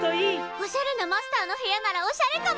おしゃれなマスターの部屋ならおしゃれかも！